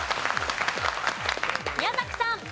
宮崎さん。